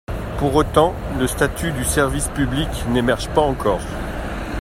Pour autant, le statut du service public n'émerge pas encore.